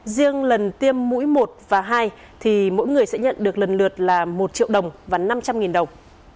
riêng lần tiêm mũi một và hai thì mỗi người sẽ nhận được lần lượt là một triệu đồng và năm trăm linh đồng